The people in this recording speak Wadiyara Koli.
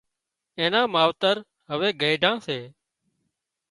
اين نان ماوتر هوي گئيڍان سي